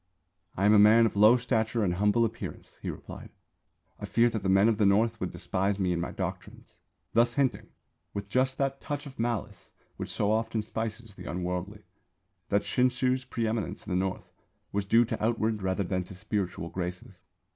"I am a man of low stature and humble appearance," he replied; "I fear that the men of the North would despise me and my doctrines" thus hinting (with just that touch of malice which so often spices the unworldly) that Shinshū's pre eminence in the North was due to outward rather than to spiritual graces.